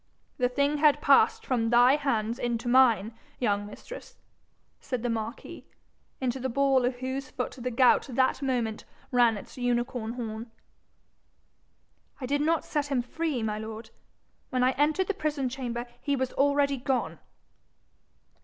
The thing had passed from thy hands into mine, young mistress,' said the marquis, into the ball of whose foot the gout that moment ran its unicorn horn. 'I did not set him free, my lord. When I entered the prison chamber, he was already gone.'